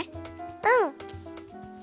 うん。